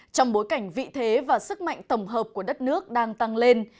trong bối cảnh vị thế và sức mạnh tổng hợp của đất nước đang tăng lên